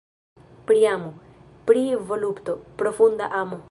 Pri amo, pri volupto. Profunda amo.